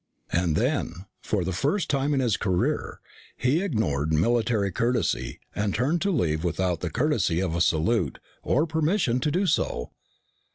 And then, for the first time in his career, he ignored military courtesy and turned to leave without the courtesy of a salute or permission to do so.